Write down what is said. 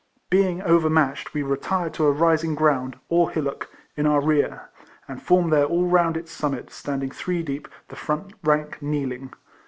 Being overmatched, we retired to a rising ground, or hillock, in our rear, and formed there all round its summit, standing three deep, the front rank kneeling.